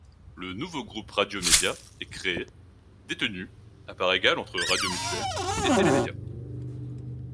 Le nouveau groupe Radiomédia est créé, détenu à parts égales entre Radiomutuel et Télémédia.